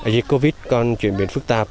dịch covid con chuyển biến phức tạp